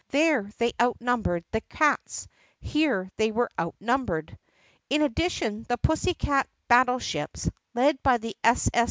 There they outnumbered the cats. Here they were outnumbered. It addition the pussycat battle ships, led by the S. S.